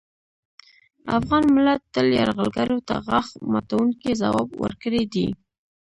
افغان ملت تل یرغلګرو ته غاښ ماتوونکی ځواب ورکړی دی